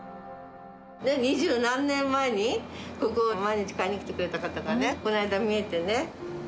二十何年前にここ、毎日買いに来てくれた方がね、この間、みえてね。